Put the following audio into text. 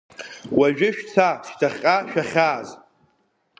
Уажәы шәца шьҭахьҟа шәахьааз.